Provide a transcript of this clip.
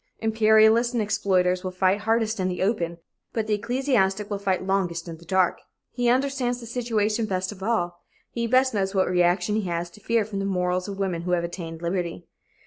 Imperialists and exploiters will fight hardest in the open, but the ecclesiastic will fight longest in the dark. He understands the situation best of all; he best knows what reaction he has to fear from the morals of women who have attained liberty.